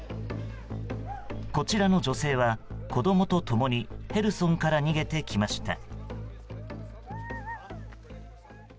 こちらの女性は、子供と共にヘルソンから逃げてきました。